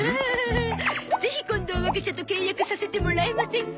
ぜひ今度我が社と契約させてもらえませんか？